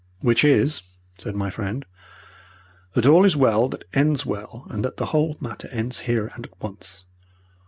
"Which is," said my friend, "that all is well that ends well and that the whole matter ends here and at once.